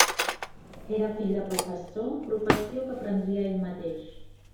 Era fill de professor, professió que prendria ell mateix.